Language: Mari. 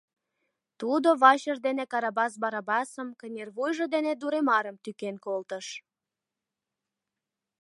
Тудо вачыж дене Карабас Барабасым, кынервуйжо дене Дуремарым тӱкен колтыш.